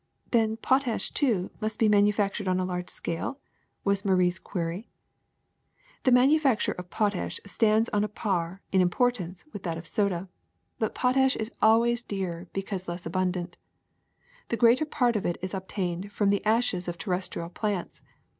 *^Then potash, too, must be manufactured on a large scale?" was Marie's query. ''The manufacture of potash stands on a par, in importance, with that of soda ; but potash is always 100 THE SECRET OF EVERYDAY THINGS dearer because less abundant. The greater part of it is obtained from the ashes of terrestrial plants.